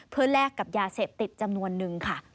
เพื่อแลกกับยาเสพติดจำนวนนึงค่ะ